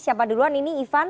siapa duluan ini